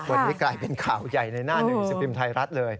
วันนี้กลายเป็นข่าวใหญ่ในหน้าหนึ่งสิบพิมพ์ไทยรัฐเลย